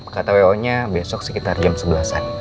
kata wo nya besok sekitar jam sebelas an